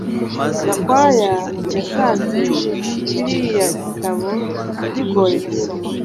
Gakwaya yasanze kiriya gitabo bigoye gusoma.